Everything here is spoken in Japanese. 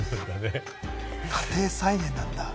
家庭菜園なんだ。